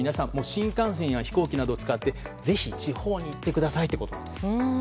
新幹線や飛行機などを使ってぜひ、地方に行ってくださいということなんです。